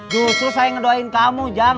justru saya ngedoain kamu jam